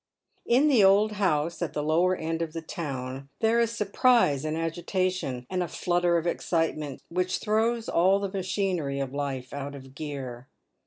In the old house at the lower end of the town there is surprise and agitation, and a flutter of excitement which throws all the machinery of life out of gear.